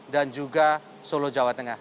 dan juga solo jawa tengah